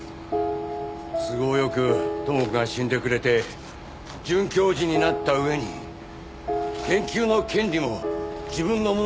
都合よく知子が死んでくれて准教授になった上に研究の権利も自分のものにするってわけか！